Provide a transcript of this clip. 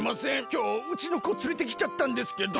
きょううちの子つれてきちゃったんですけど。